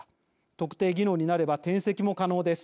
特定技能になれば転籍も可能です。